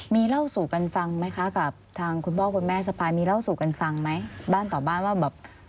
มีเล่าสู่กันฟังไหมคะกับทางคุณพ่อคุณแม่สปายมีเล่าสู่กันฟังไหมบ้านต่อบ้านว่าแบบ